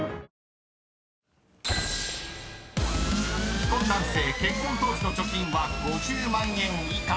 ［既婚男性結婚当時の貯金は５０万円以下］